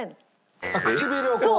唇をこう。